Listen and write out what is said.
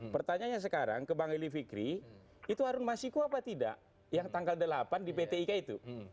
pertanyaannya sekarang ke bang eli fikri itu harun masiku apa tidak yang tanggal delapan di pt ika itu